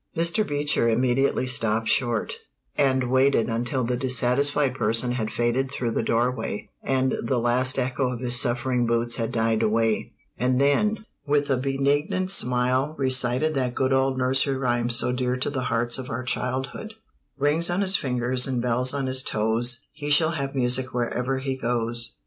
Mr. Beecher immediately stopped short, and waited until the dissatisfied person had faded through the doorway and the last echo of his suffering boots had died away, and then, with a benignant smile, recited that good old nursery rime so dear to the hearts of our childhood: Rings on his fingers, And bells on his toes; He shall have music Wherever he goes.